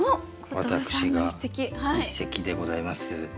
私が一席でございます。